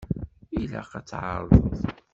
Ilaq ad t-tɛerḍeḍ.